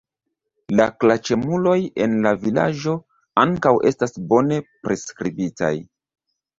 La klaĉemuloj en la vilaĝo ankaŭ estas bone priskribitaj.